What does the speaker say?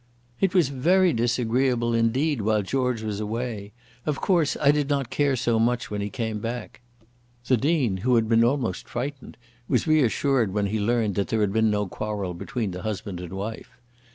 "It was very disagreeable, indeed, while George was away. Of course I did not care so much when he came back." The Dean, who had been almost frightened, was reassured when he learned that there had been no quarrel between the husband and wife.